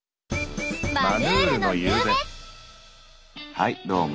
はいどうも。